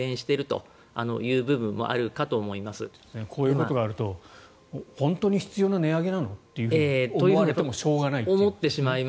こういうことがあると本当に必要な値上げなの？と思われてしまっても。